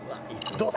どうだ？